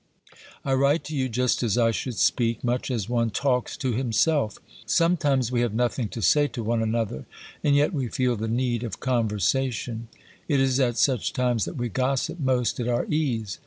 I write to you just as I should speak, much as one talks to himself. Sometimes we have nothing to say to one another, and yet we feel the need of conversation; it is at such times that we gossip most at our ease.